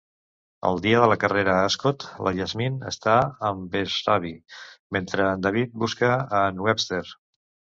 El dia de la carrera a Ascot, la Yasmin està amb en Beshraavi, mentre en David busca a en Webster.